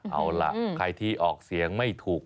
เอาล่ะใครที่ออกเสียงไม่ถูก